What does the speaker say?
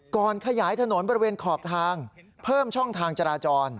ก่อนขยายถนนบริเวณขอบทางเพิ่มช่องทางจราจร